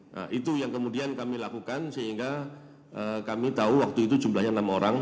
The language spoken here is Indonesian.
nah itu yang kemudian kami lakukan sehingga kami tahu waktu itu jumlahnya enam orang